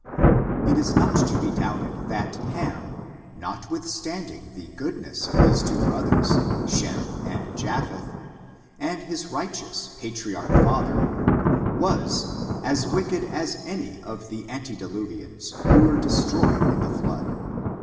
It is not to be doubted that Ham, notwithstanding the goodness of his two brothers, Shem, and Japheth, and his right* 1 ' I i FORTUNES, OF THE NEGBO RACE. 176 eous patriarch father, was as wicked as any of the antediluviaqs, who were destroyed in the flood.